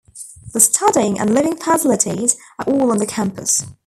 The studying and living facilities are all on the campus.